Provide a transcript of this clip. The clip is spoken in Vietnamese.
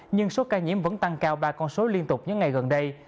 nhưng số ca nhiễm vẫn tăng cao ba con số liên tục những ngày gần đây